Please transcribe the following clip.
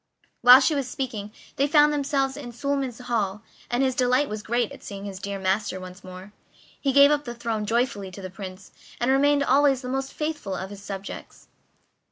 While she was speaking, they found themselves in Suliman's hall, and his delight was great at seeing his dear master once more. He gave up the throne joyfully to the Prince, and remained always the most faithful of his subjects.